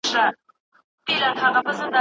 موږکان ډېر دي حیران ورته سړی دی